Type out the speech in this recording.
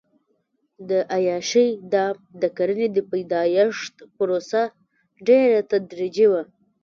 د عیاشۍ دام د کرنې د پیدایښت پروسه ډېره تدریجي وه.